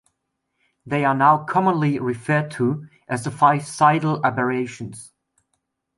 They are now commonly referred to as the five Seidel Aberrations.